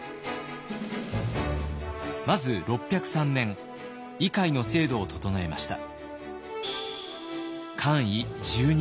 まず６０３年位階の制度を整えました。